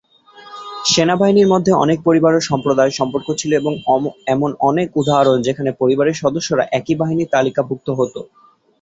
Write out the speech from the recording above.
সেনাবাহিনীর মধ্যে অনেক পরিবার ও সম্প্রদায়ের সম্পর্ক ছিল এবং এমন অনেক উদাহরণ যেখানে পরিবারের সদস্যরা একই বাহিনীর তালিকাভুক্ত হত।